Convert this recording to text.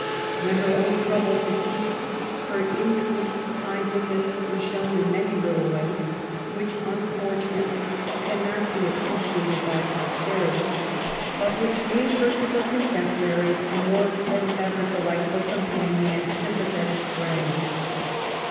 When her own troubles had ceased^ her increased InndliTifiM was shown in many little ways, which unfortunately cannot be appreciated by posterity, but which made her, to her contemporaries^ a more than ever delightful companion and sympathetic friend.